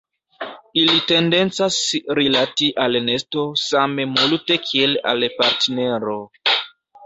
Ili tendencas rilati al nesto same multe kiel al partnero.